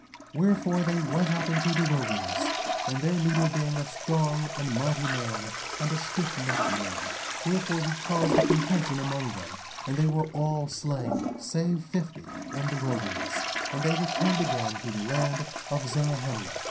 1:28 Wherefore, they went up into the wilderness. And their leader being a strong and mighty man, and a stiffnecked man, wherefore he caused a contention among them; and they were all slain, save fifty, in the wilderness, and they returned again to the land of Zarahemla.